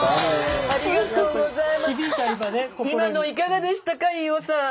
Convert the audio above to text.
今のいかかでしたか飯尾さん。